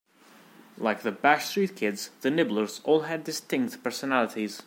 Like The Bash Street Kids, the Nibblers all had distinct personalities.